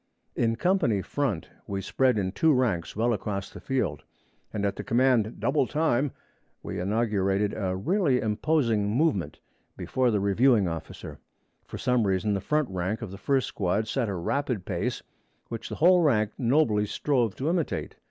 In company front, we spread in two ranks well across the field, and at the command 'Double time!' we inaugurated a really imposing movement, before the reviewing officer. For some reason the front rank of the first squad set a rapid pace, which the whole rank nobly strove to imitate.